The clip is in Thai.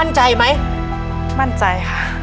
นี่